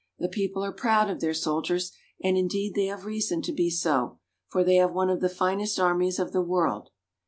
The people are proud of their soldiers, and indeed they have reason to be so, for they have one of the finest armies of the world.